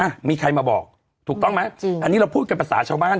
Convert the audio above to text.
มีใครมาบอกถูกต้องไหมจริงอันนี้เราพูดกันภาษาชาวบ้าน